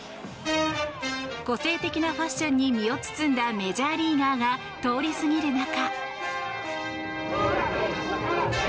個性的なファッションに身を包んだメジャーリーガーが通り過ぎる中。